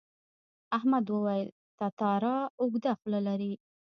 احمد وویل تتارا اوږده خوله لري.